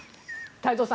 太蔵さん